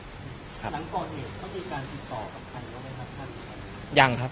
ตอนนี้เค้ามีการติดต่อกับใครไปยังละครับ